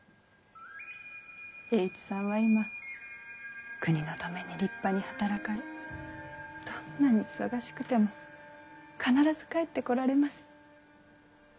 栄一さんは今国のために立派に働かれどんなに忙しくても必ず帰ってこられます。